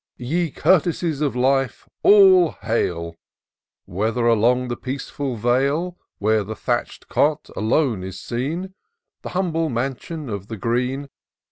E Courtesies of life, all hail! Whether along the peaceAil vale. Where the thatch'd cot alone is seen, The humble mansion of the green.